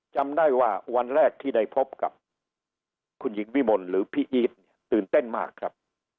จำได้ว่าวันแรกที่ได้พบกับคุณหญิงวิมลหรือพี่อีทเนี่ยตื่นเต้นมากครับ